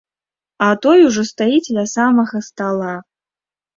А той ужо стаіць ля самага стала.